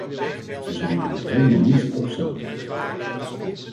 Er zal namelijk helemaal niets op staan.